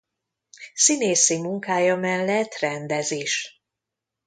Színészi munkája mellett rendez is.